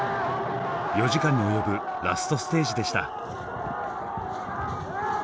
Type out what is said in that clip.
４時間に及ぶラストステージでした。